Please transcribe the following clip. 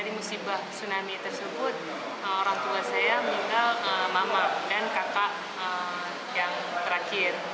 dari musibah tsunami tersebut orang tua saya mamak dan kakak yang terakhir